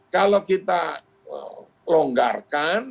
kalau kita longgarkan